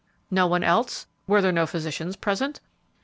"No one else? Were there no physicians present?"